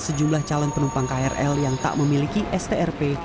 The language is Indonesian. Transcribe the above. sejumlah calon penumpang krl yang tak memiliki strp